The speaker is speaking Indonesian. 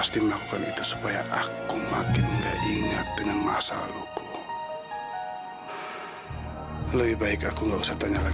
sampai jumpa di video selanjutnya